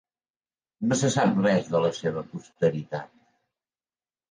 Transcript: No se sap res de la seva posteritat.